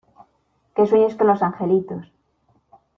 Que sueñes con los angelitos.